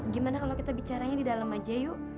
gimana kalau kita bicaranya di dalam aja yuk